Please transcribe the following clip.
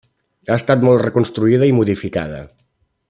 Ha estat molt reconstruïda i modificada.